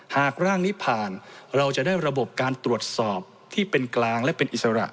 หากร่างนี้ผ่านเราจะได้ระบบการตรวจสอบที่เป็นกลางและเป็นอิสระ